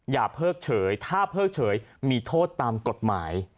เพิกเฉยถ้าเพิกเฉยมีโทษตามกฎหมาย